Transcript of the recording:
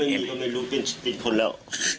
ไม่มีทำไมรู้เป็นสติคนแล้ว